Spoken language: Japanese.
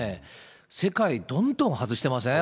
世界どんどん外してません？